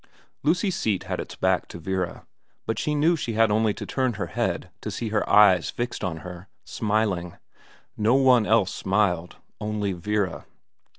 Lucy's seat had its back to Vera, but she knew she had only to turn her head to see her eyes fixed on her, smiling. No one else smiled ; only Vera.